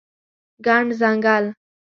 ګڼ ځنګل